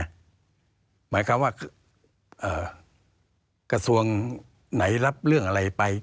หมายความว่ากระทรวงไหนรับเรื่องอะไรไป